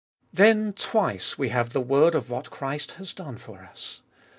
Then twice we have the word of what Christ has done for us.